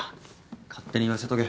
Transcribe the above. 勝手に言わせとけ。